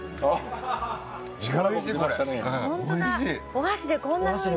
お箸でこんなふうに。